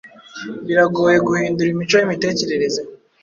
biragoye guhindura imico y’imitekerereze.